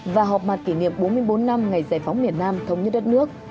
và họp mặt kỷ niệm bốn mươi bốn năm ngày giải phóng miền nam thống nhất đất nước